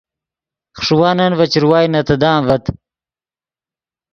خݰوانن ڤے چروائے نے تیدان ڤد